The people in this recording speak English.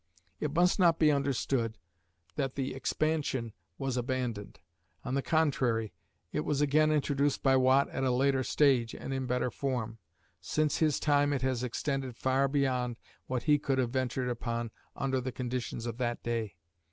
It must not be understood that expansion was abandoned. On the contrary, it was again introduced by Watt at a later stage and in better form. Since his time it has extended far beyond what he could have ventured upon under the conditions of that day.